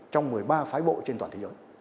trong một mươi ba phái bộ trên toàn thế giới